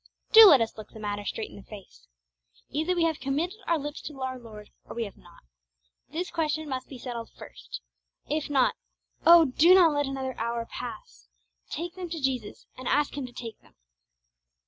Do let us look the matter straight in the face. Either we have committed our lips to our Lord, or we have not. This question must be settled first. If not, oh, do not let another hour pass! Take them to Jesus, and ask Him to take them.